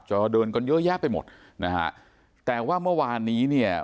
อเดินกันเยอะแยะไปหมดนะฮะแต่ว่าเมื่อวานนี้เนี่ย